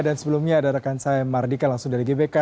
dan sebelumnya ada rekan saya mardika langsung dari gbk